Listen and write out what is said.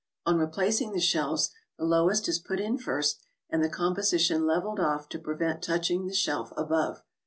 On replacing the shelves, the lowest is put in first and the composition leveled off to prevent touching the shelf above.